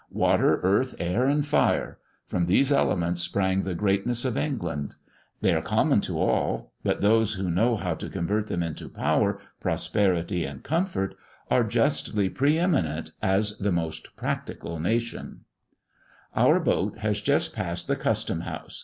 Water, earth, air, and fire! from these elements sprang the greatness of England. They are common to all; but those who know how to convert them into power, prosperity and comfort, are justly pre eminent as the most practical nation. Our boat has just passed the Custom house.